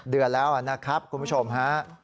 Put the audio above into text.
เดือนแล้วนะครับคุณผู้ชมฮะ